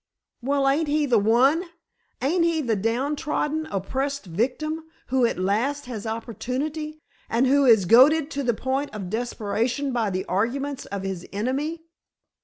"Well, ain't he the one? Ain't he the down trodden, oppressed victim, who, at last, has opportunity, and who is goaded to the point of desperation by the arguments of his enemy?"